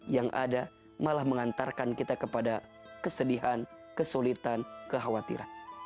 yang ada malah mengantarkan kita kepada kesedihan kesulitan kekhawatiran